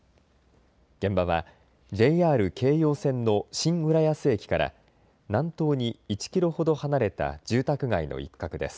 現場はＪＲ京葉線の新浦安駅から南東に１キロほど離れた住宅街の一角です。